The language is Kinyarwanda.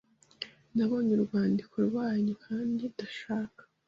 Nabonye urwandiko rwanyu, kandi ndashaka